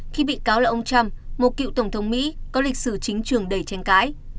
khi bị cáo là ông trump một cựu tổng thống mỹ có lịch sử chính trường đầy tranh cãi